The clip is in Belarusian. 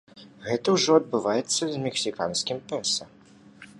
Гэта ўжо адбываецца з мексіканскім песа.